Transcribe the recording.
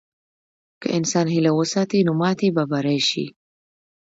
که انسان هیله وساتي، نو ماتې به بری شي.